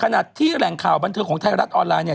ในข่าวบันทึกของไทยรัฐออนไลน์เนี่ย